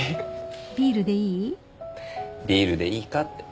ビールでいいかって。